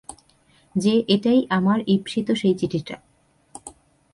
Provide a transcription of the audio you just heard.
যে, এটাই আমার ঈপ্সিত সেই চিঠিটা।